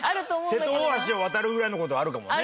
瀬戸大橋を渡るぐらいの事はあるかもね。